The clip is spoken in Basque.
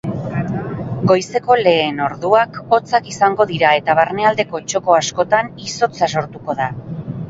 Goizeko lehen orduakhotzak izango dira eta barnealdeko txoko askotan izotza sortuko da.